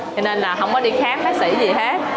cho nên là không có đi khám bác sĩ gì hết